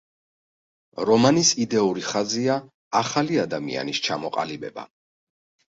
რომანის იდეური ხაზია, ახალი ადამიანის ჩამოყალიბება.